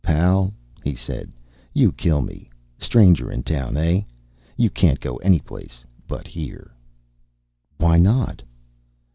"Pal," he said, "you kill me. Stranger in town, hey? You can't go anyplace but here." "Why not?"